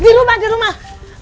di rumah di rumah